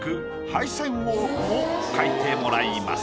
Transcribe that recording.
廃線ウォークを描いてもらいます。